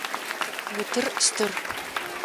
Утыр стыр.